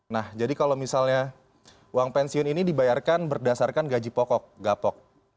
nah jadi kalau misalnya uang pensiun ini dibayarkan berdasarkan gaji pokok gapok